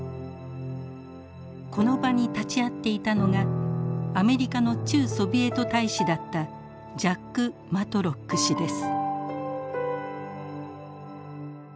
この場に立ち会っていたのがアメリカの駐ソビエト大使だったジャック・マトロック氏です。